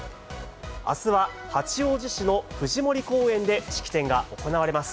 あすは八王子市の富士森公園で式典が行われます。